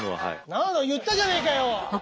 何だ言ったじゃねえかよ！